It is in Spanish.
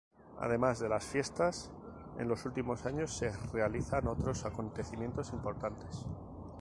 Además de las fiestas, en los últimos años se realizan otros acontecimientos importantes.